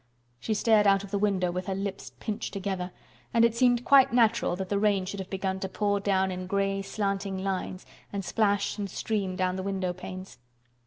She stared out of the window with her lips pinched together, and it seemed quite natural that the rain should have begun to pour down in gray slanting lines and splash and stream down the window panes.